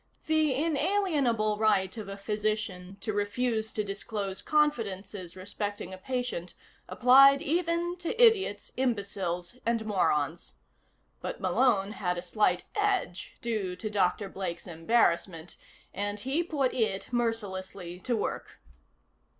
The inalienable right of a physician to refuse to disclose confidences respecting a patient applied even to idiots, imbecile and morons. But Malone had a slight edge, due to Dr. Blake's embarrassment, and he put it mercilessly to work.